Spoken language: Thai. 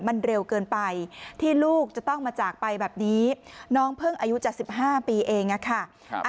มันเร็วเกินไปที่ลูกจะต้องมาจากไปแบบนี้น้องเพิ่งอายุจะ๑๕ปีเองอะค่ะ